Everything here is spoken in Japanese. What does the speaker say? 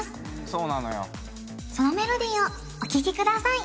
そのメロディーをお聞きください